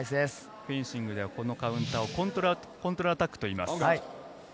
フェンシングではこのカウンターをコントルアタックといいます。